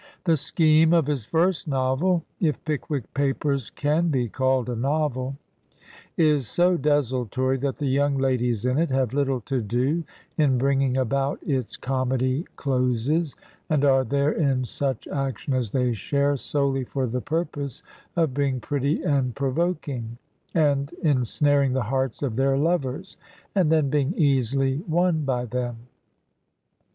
The scheme of his first novel, if "Pickwick Papers" can be called a novel, is so desultory that the young ladies in it have little to do in bringing about its comedy closes, and are there, in such action as they share, solely for the purpose of being pretty and provoking, and en snaring the hearts of their lovers, and then being easily won by them.